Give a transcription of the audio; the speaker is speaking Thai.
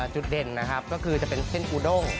จุดเด่นนะครับก็คือจะเป็นเส้นอูด้ง